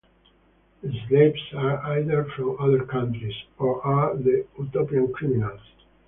The slaves are either from other countries or are the Utopian criminals.